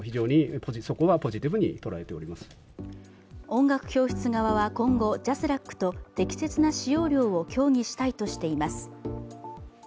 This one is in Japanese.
音楽教室側は今後ＪＡＳＲＡＣと適切な使用料を協議したいとしています。